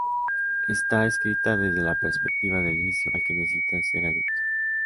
Está escrita desde la perspectiva del vicio al que necesitas ser adicto.